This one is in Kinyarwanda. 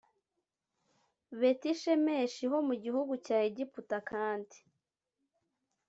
betishemeshi ho mu gihugu cya egiputa kandi